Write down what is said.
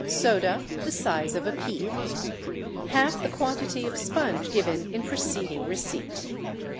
Soda, the size of a pea. Half the quantity of sponge given in preceding receipt.